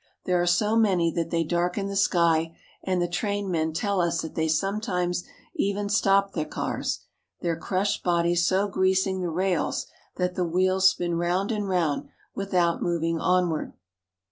There are so many that ■ they darken the sky, and the trainmen tell us that they jsometimes even stop the cars, their crushed bodies so •.greasing the rails that the wheels spin round and round I without moving onward.